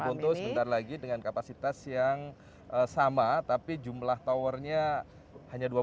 untuk sebentar lagi dengan kapasitas yang sama tapi jumlah towernya hanya dua puluh